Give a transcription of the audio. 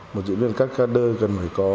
một diễn viên các ca đơ cần phải có